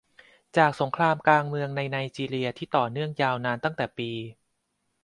จากสงครามกลางเมืองในไนจีเรียที่ต่อเนื่องยาวนานตั้งแต่ปี